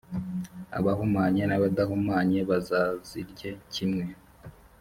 abahumanye n’abadahumanye bazazirye kimwe.